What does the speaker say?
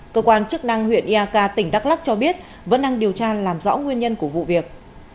cơ quan chức năng huyện iak tỉnh đắk lắc cho biết vẫn đang điều tra làm rõ nguyên nhân của vụ việc